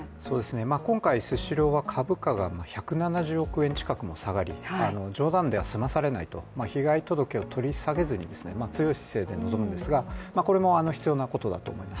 今回スシローは株価が１７０億円近くも下がり、冗談では済まされないと被害届を取り下げずに強い姿勢で臨むんですが、これも必要なことだと思います。